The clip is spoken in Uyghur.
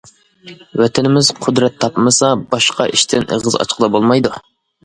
ۋەتىنىمىز قۇدرەت تاپمىسا، باشقا ئىشتىن ئېغىز ئاچقىلى بولمايدۇ.